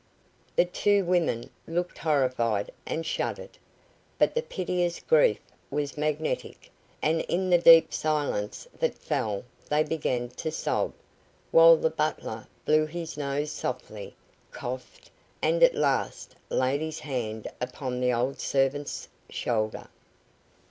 The two women looked horrified and shuddered, but the piteous grief was magnetic, and in the deep silence that fell they began to sob; while the butler blew his nose softly, coughed, and at last laid his hand upon the old servant's shoulder.